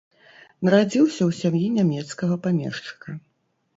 Нарадзіўся ў сям'і нямецкага памешчыка.